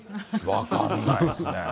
分かんないですね。